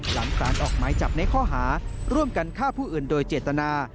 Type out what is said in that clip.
หลังสารออกหมายจับในข้อหาร่วมกันฆ่าผู้อื่นโดยเจตนา